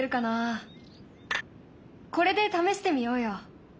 これで試してみようよ。